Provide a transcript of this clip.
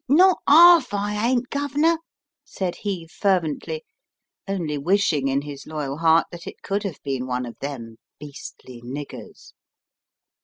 "Not 'arf I ain't, gov'nor," said he, fervently, only wishing in his loyal heart that it could have been one of them beastly "niggers."